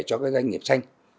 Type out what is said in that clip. cho các doanh nghiệp xanh